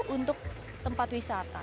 untuk tempat wisata